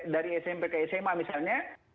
dari smp ke sma misalnya